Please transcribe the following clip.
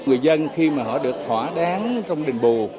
người dân khi mà họ được thỏa đáng trong đền bù